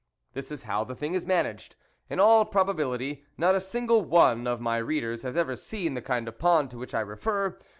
This is how the thing is managed. In all probability, not a single one of my readers has ever THE WOLF LEADER seen the kind of pond to which I refer.